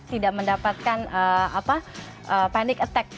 tidak mendapatkan panic attack